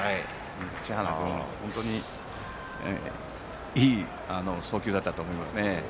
知花君、本当にいい送球だったと思いますね。